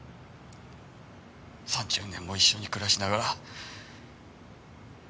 ３０年も一緒に暮らしながら。